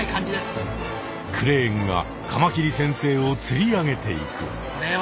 クレーンがカマキリ先生をつり上げていく。